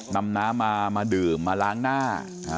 นำน้ำมาดื่มมาล้างหน้า